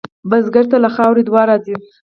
بزګر ته له خاورې دعا راځي